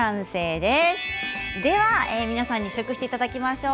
では皆さんに試食していただきましょう。